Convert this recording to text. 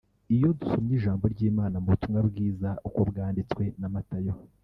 Iyo dusomye Ijambo ry’Imana mu butumwa bwiza uko bwanditswe na Matayo